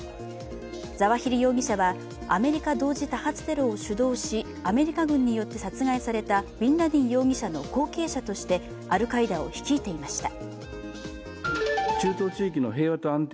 ザワヒリ容疑者はアメリカ同時多発テロを主導し、アメリカ軍によって殺害されたビン・ラディン容疑者の後継者としてアルカイダを率いていました。